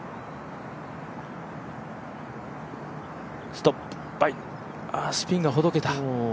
ストップ、スピンがほどけた。